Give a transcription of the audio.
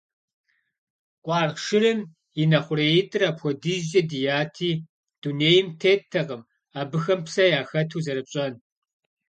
Къуаргъ шырым и нэ хъуреитӀыр апхуэдизкӀэ дияти, дунейм теттэкъым абыхэм псэ яхэту зэрыпщӀэн.